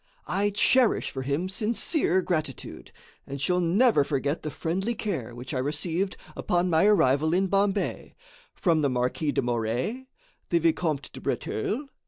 I cherish for him sincere gratitude, and shall never forget the friendly care which I received upon my arrival in Bombay from the Marquis de Morés, the Vicomte de Breteul, M.